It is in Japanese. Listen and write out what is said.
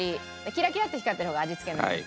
キラキラっと光ってる方が味付け海苔です。